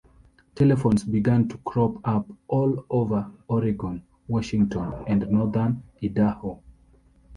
Telephones began to crop up all over Oregon, Washington and northern Idaho.